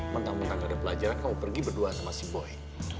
mentang mentang gak ada pelajaran kamu pergi berdua sama si boy